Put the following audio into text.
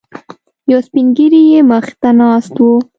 یو سپینږیری یې مخې ته ناست و.